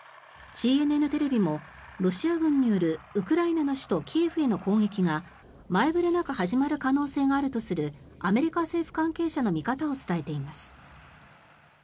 ＣＮＮテレビもロシア軍によるウクライナの首都キエフへの攻撃が前触れなく始まる可能性があるとするアメリカ政府関係者の話を伝えています。